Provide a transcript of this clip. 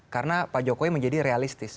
karena pak jokowi menjadi realistis